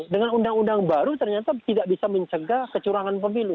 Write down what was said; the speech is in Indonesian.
dengan undang undang baru ternyata tidak bisa mencegah kecurangan pemilu